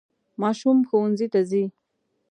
ماشوم ښوونځي ته ځي.